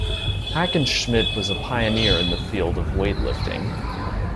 Hackenschmidt was a pioneer in the field of weightlifting.